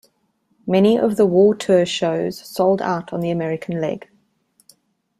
Many of the War Tour shows sold out on the American leg.